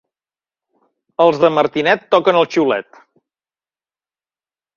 Els de Martinet toquen el xiulet.